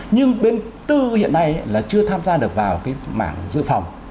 nhưng bên tư hiện nay là chưa tham gia được vào cái mảng dự phòng